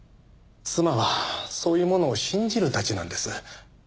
妻はそういうものを信じるタチなんです。